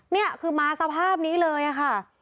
นี่คือมาสภาพนี้เลยค่ะ